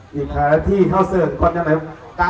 ขอลงมือหยิบพินเองเลยนะฮะ